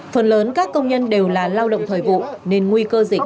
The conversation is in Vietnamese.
phần lớn các công nhân đều là lao động thời vụ nên nguy cơ dịch